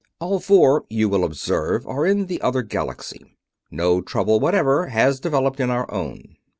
All four, you will observe, are in the other galaxy. No trouble whatever has developed in our own.